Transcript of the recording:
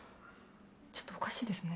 ちょっとおかしいですね。